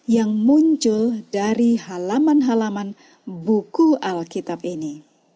yang muncul dari halaman halaman buku alkitab ini